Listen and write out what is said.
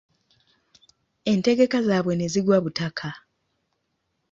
Entegeka zaabwe ne zigwa butaka.